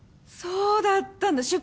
そうだったんだ。